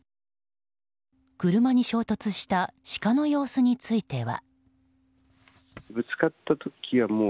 車に衝突したシカの様子については。